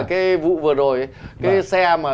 cái vụ vừa rồi ấy cái xe mà